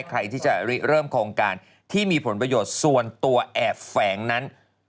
ใครที่จะเริ่มโครงการที่มีผลประโยชน์ส่วนตัวแอบแฝงนั้น